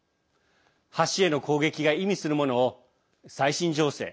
橋への攻撃が意味するものを最新情勢